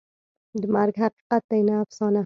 مرګ حقیقت دی، نه افسانه.